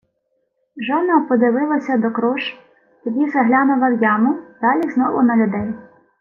Жона подивилася докруж, тоді заглянула в яму, далі знову на людей.